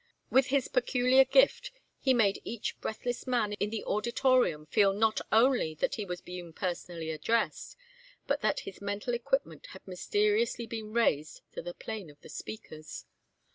With his peculiar gift he made each breathless man in the auditorium feel not only that he was being personally addressed, but that his mental equipment had mysteriously been raised to the plane of the speaker's.